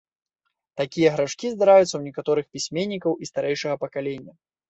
Такія грашкі здараюцца ў некаторых пісьменнікаў і старэйшага пакалення.